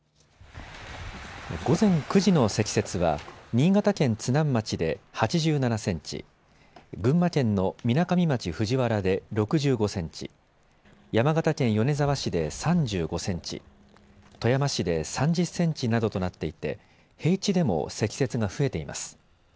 午前９時の積雪は新潟県津南町で８７センチ、群馬県のみなかみ町藤原で６５センチ、山形県米沢市で３５センチ、富山市で３０センチなどとなっていて平地でも積雪が増えています。